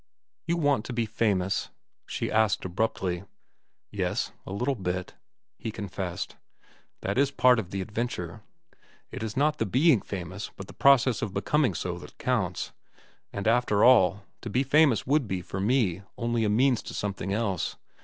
"You want to be famous?" she asked abruptly. "Yes, a little bit," he confessed. "That is part of the adventure. It is not the being famous, but the process of becoming so, that counts. And after all, to be famous would be, for me, only a means to something else.